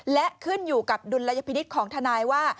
และขึ้นอยู่กับดุลยพินิษฐ์ของทนายว่า